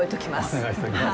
お願いしときます。